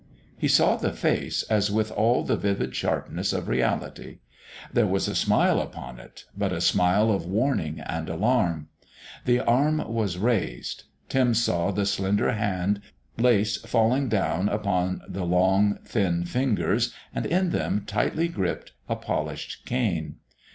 He saw the face as with all the vivid sharpness of reality. There was a smile upon it, but a smile of warning and alarm. The arm was raised. Tim saw the slender hand, lace falling down upon the long, thin fingers, and in them, tightly gripped, a polished cane.